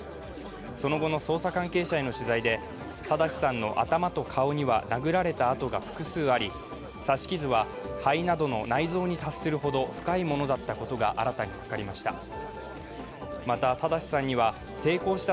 その後の捜査関係者への取材で正さんの頭と顔には殴られた痕が複数あり、刺し傷は肺などの内臓に達するなど深いものだったことが新たに分かりました。